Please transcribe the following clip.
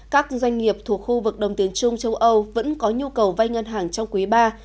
các doanh nghiệp thuộc khu vực đồng tiến trung châu âu vẫn có nhu cầu vay ngân hàng trong quý ba